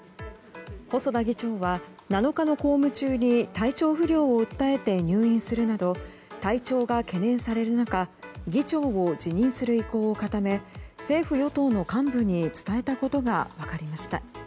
細田議長は７日の公務中に体調不良を訴えて入院するなど体調が懸念される中議長を辞任する意向を固め政府・与党の幹部に伝えたことが分かりました。